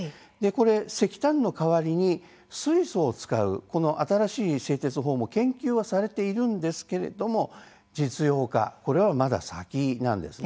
石炭の代わりに水素を使う新しい製鉄法も研究はされているんですが実用化はまだ先なんです。